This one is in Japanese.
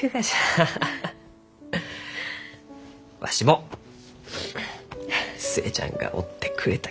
わしも寿恵ちゃんがおってくれたきこそ。